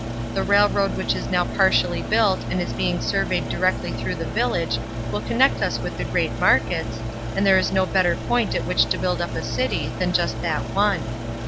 The railroad which is now partially built and is being surveyed directly through the village will connect us with the great markets, and there is no better point at which to build up a city than just that one.